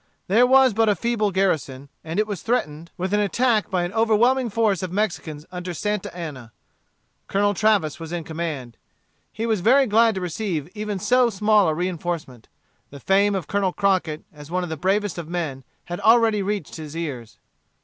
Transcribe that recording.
There was but a feeble garrison, and it was threatened with an attack by an overwhelming force of Mexicans under Santa Anna. Colonel Travis was in command. He was very glad to receive even so small a reinforcement. The fame of Colonel Crockett, as one of the bravest of men, had already reached his ears.